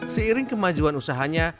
seiring kemajuan usahanya